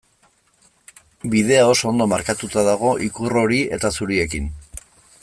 Bidea oso ondo markatuta dago ikur hori eta zuriekin.